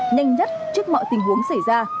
nhanh nhất trước mọi tình huống xảy ra